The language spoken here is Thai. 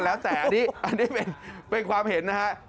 ก็แล้วแต่อันนี้อันนี้เป็นความเห็นนะครับ